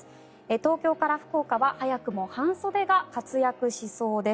東京から福岡は早くも半袖が活躍しそうです。